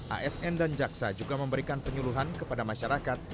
asn dan jaksa juga memberikan penyuluhan kepada masyarakat